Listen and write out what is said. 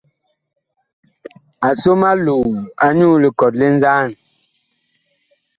A som aloo anyuu likɔt li nzaan.